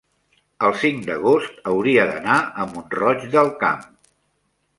el cinc d'agost hauria d'anar a Mont-roig del Camp.